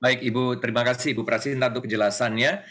baik ibu terima kasih ibu prasinta untuk kejelasannya